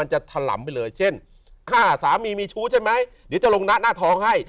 จะถล่ำไปเลยเช่น๕สามีมีชู้ใช่ไหมเดี๋ยวจะลงหน้าท้องให้